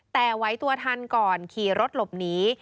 แต่ไว้ตัวทันก่อนขี่รถหลบหนี